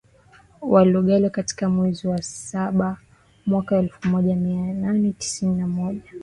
wa Lugalo Katika mwezi wa saba mwaka elfu moja mia nane tisini na moja